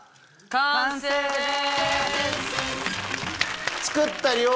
完成です！